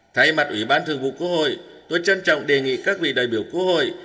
thay mặt ủy ban thường vụ quốc hội tôi trân trọng đề nghị các vị đại biểu quốc hội